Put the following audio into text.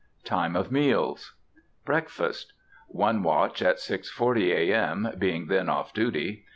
TIME OF MEALS. BREAKFAST. One watch at 6.40 A. M. (being then off duty.)